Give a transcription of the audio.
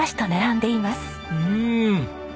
うん。